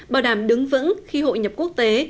bảo đảm đứng vững khi hội nhập quốc tế